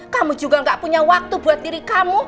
kamu juga gak punya waktu buat diri kamu